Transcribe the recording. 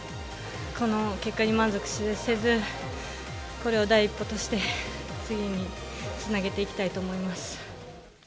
この結果に満足せず、これを第一歩として、次につなげていきたいと思います。